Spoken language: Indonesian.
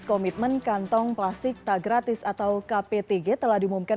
komitmen kantong plastik tak gratis atau kptg telah diumumkan